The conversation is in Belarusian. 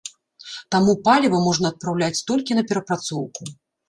Таму паліва можна адпраўляць толькі на перапрацоўку.